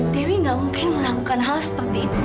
dewi gak mungkin melakukan hal seperti itu